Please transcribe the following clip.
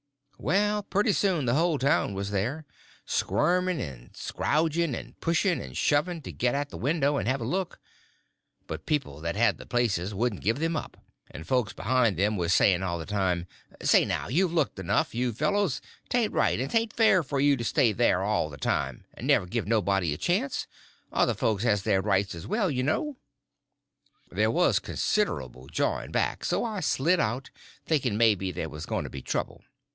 Well, pretty soon the whole town was there, squirming and scrouging and pushing and shoving to get at the window and have a look, but people that had the places wouldn't give them up, and folks behind them was saying all the time, "Say, now, you've looked enough, you fellows; 'tain't right and 'tain't fair for you to stay thar all the time, and never give nobody a chance; other folks has their rights as well as you." There was considerable jawing back, so I slid out, thinking maybe there was going to be trouble.